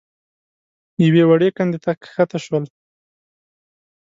يوې وړې کندې ته کښته شول.